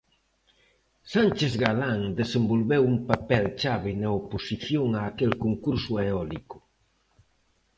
Sánchez Galán desenvolveu un papel chave na oposición a aquel concurso eólico.